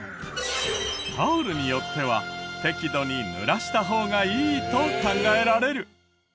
タオルによっては適度に濡らした方がいいと考えられる。